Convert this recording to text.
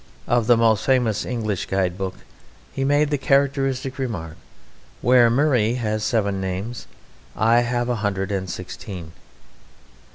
Of the most famous English guide book he made the characteristic remark, "Where Murray has seven names I have a hundred and sixteen."